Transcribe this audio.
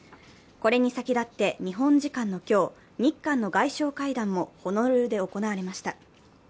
これに先立って日本時間の今日、日韓の外相会談もホノルルで行われました。